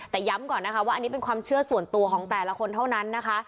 แต่ย้ำก่อนนะคะว่าอันนี้เป็นความเชื่อส่วนตัวของแต่ละคนเท่านั้นนะคะ